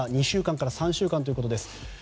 ２週間から３週間ということです。